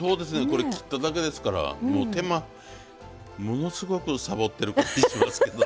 これ切っただけですから手間ものすごくサボってる気しますけど。